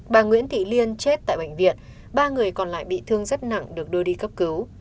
bà nguyễn thị liên chết tại bệnh viện ba người còn lại bị thương rất nặng được đưa đi cấp cứu